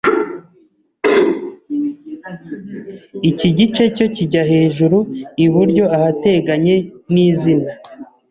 Iki gice cyo kijya hejuru iburyo ahateganye n’izina.